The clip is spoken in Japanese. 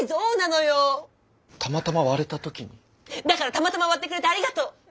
だからたまたま割ってくれてありがとう！